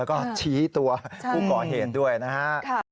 แล้วก็ชี้ตัวผู้ก่อเหตุด้วยนะฮะ